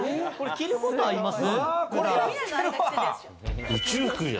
着ることあります？